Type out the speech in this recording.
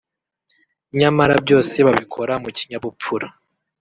nyamara byose babikora mu kinyabupfura